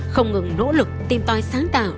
không ngừng nỗ lực tìm tòi sáng tạo